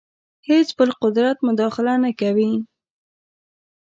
هېڅ بل قدرت مداخله نه کوي.